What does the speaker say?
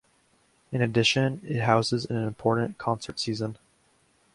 In addition, it houses an important concert season.